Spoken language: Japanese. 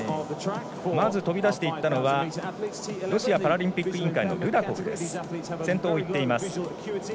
まず飛び出していったのはロシアパラリンピック委員会のルダコフです。